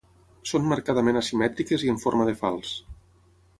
Són marcadament asimètriques i en forma de falç.